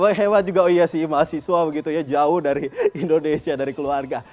oh hebat juga oh iya sih mahasiswa begitu ya jauh dari indonesia dari keluarga